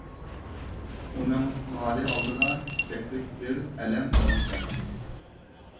ئۇنىڭ غارى ئالدىدا تىكلەكلىك بىر ئەلەم بار ئىكەن.